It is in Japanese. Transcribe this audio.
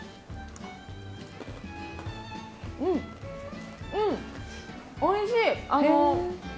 うん、うん、おいしい。